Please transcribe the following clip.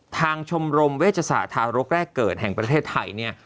ชมรมเวชศาสตร์ทารกแรกเกิดแห่งประเทศไทยเนี่ย